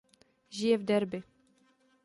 Žije v Derby.